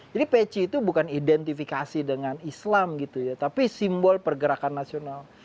jadi peci itu bukan identifikasi dengan islam gitu ya tapi simbol pergerakan nasional